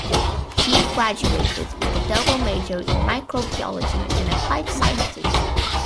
He graduated with a double major in microbiology and applied sciences.